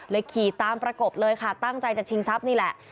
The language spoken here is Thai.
ขี่ตามประกบเลยค่ะตั้งใจจะชิงทรัพย์นี่แหละ